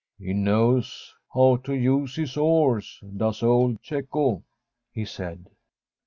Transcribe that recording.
' He knows how to use his oars, does old Cecco,' he said.